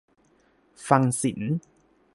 ฟังศีล